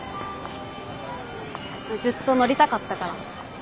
ずっと乗りたかったから。